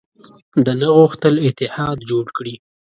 ده نه غوښتل اتحاد جوړ کړي.